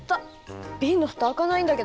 瓶の蓋開かないんだけど。